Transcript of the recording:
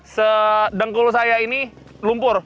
sedengkul saya ini lumpur